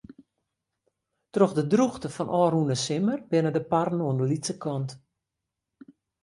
Troch de drûchte fan ôfrûne simmer binne de parren oan de lytse kant.